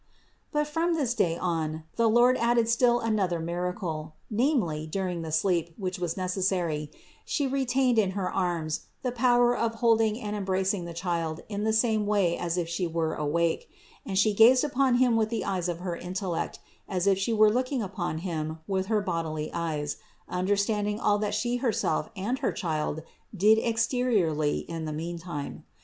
But from this day on the Lord added still another miracle, namely, during the sleep, which was necessary, She retained in her arms the power of holding and embracing the Child in the same way as if She were awake; and She gazed upon Him with the eyes of her intellect, as if She were look ing upon Him with her bodily eyes, understanding all that She herself and her Child did exteriorly in the mean while.